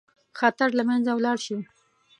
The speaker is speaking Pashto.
خطر له منځه ولاړ شي.